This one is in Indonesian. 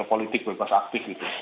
politik bebas aktif gitu